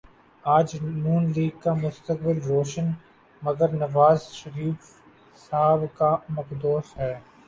آج نون لیگ کا مستقبل روشن مگر نوازشریف صاحب کا مخدوش ہے